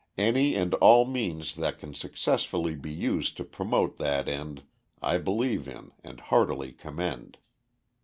Any and all means that can successfully be used to promote that end I believe in and heartily commend.